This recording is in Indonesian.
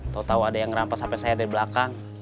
tau tau ada yang ngerampas hp saya dari belakang